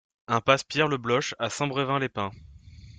Impasse Pierre Le Bloch à Saint-Brevin-les-Pins